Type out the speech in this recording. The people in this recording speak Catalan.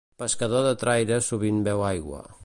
Pescador de traire sovint beu aigua.